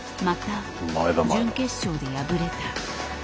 また準決勝で敗れた。